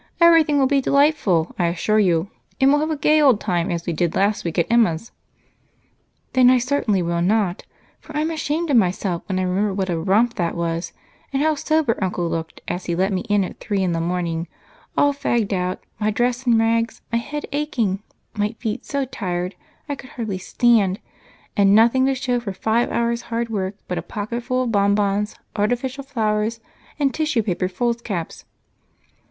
Everything will be delightful, I assure you, and we'll have a gay old time as we did last week at Emma's." "Then I certainly will not, for I'm ashamed of myself when I remember what a romp that was and how sober Uncle looked as he let me in at three in the morning, all fagged out my dress in rags, my head aching, my feet so tired that I could hardly stand, and nothing to show for five hours' hard work but a pocketful of bonbons, artificial flowers, and tissue paper fool's caps.